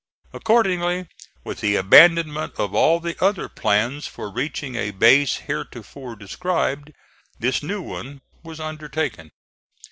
Accordingly, with the abandonment of all the other plans for reaching a base heretofore described, this new one was undertaken.